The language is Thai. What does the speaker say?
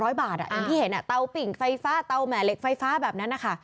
อย่างที่เห็นเตาปิ่งไฟฟ้าเตาแหม่เหล็กไฟฟ้าแบบนั้นนะคะ